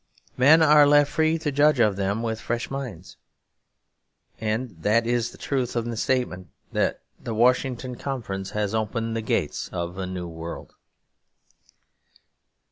Men are left free to judge of them with fresh minds. And that is the truth in the statement that the Washington Conference has opened the gates of a new world.